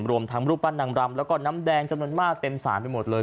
รวมทั้งรูปปั้นนางรำแล้วก็น้ำแดงจำนวนมากเต็มสารไปหมดเลย